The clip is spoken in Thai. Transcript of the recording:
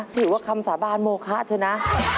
ถือว่าคำสาบานโมคะเถอะนะ